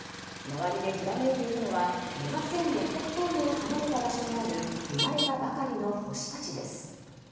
周りできらめいているのは７６００光年離れた場所にある生まれたばかりの星たちです。